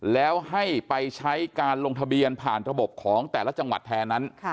แล้วให้ไปใช้การลงทะเบียนผ่านระบบของแต่ละจังหวัดแทนนั้น